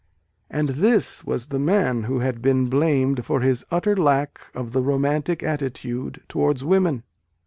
And this was the man who had been blamed for his utter lack of " the romantic attitude towards women